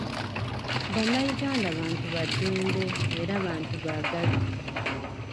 Bannayungada bantu baddembe erabantu baagazi.